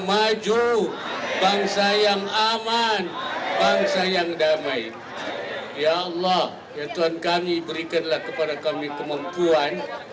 maju bangsa yang aman bangsa yang damai ya allah ya tuhan kami berikanlah kepada kami kemampuan